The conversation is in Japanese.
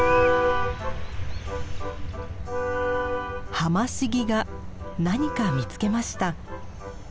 ハマシギが何か見つけました。